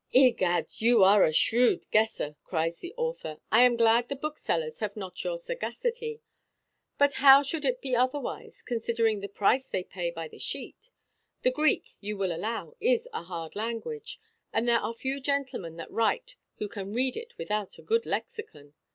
"Egad, you are a shrewd guesser," cries the author. "I am glad the booksellers have not your sagacity. But how should it be otherwise, considering the price they pay by the sheet? The Greek, you will allow, is a hard language; and there are few gentlemen that write who can read it without a good lexicon.